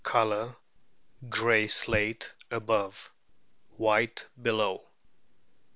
Colour grey slate above, white below.